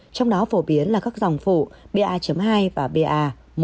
trong đó phổ biến là các dòng phụ ba hai và ba một một